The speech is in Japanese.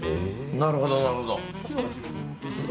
なるほどなるほど。